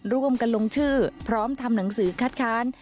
ลงชื่อพร้อมทำหนังสือคัดค้าน